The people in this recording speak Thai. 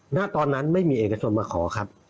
ณตอนนั้นไม่มีเอกชนมาขอครับ